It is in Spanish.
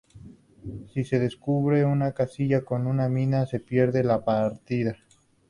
Si se descubre una casilla con una mina se pierde la partida.